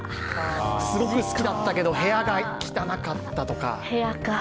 すごく好きだったけど部屋が汚かったとか。